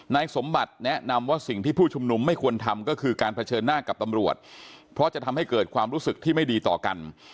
นายสมบัติแนะนำว่าสิ่งที่ผู้ชุมนุมไม่ควรทำก็คือการเผชิญหน้ากับตำรวจเพราะจะทำให้เกิดความรู้สึกที่ไม่ดีต่อกัน